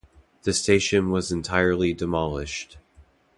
The station was entirely demolished.